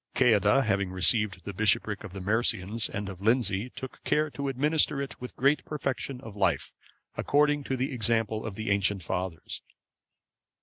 Ceadda having received the bishopric of the Mercians and of Lindsey,(545) took care to administer it with great perfection of life, according to the example of the ancient fathers.